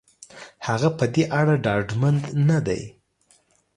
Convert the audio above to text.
هغه په دې اړه ډاډمن نه دی.